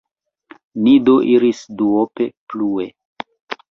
Ni do iris duope plue.